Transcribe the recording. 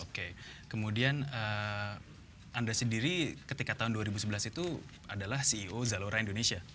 oke kemudian anda sendiri ketika tahun dua ribu sebelas itu adalah ceo zalora indonesia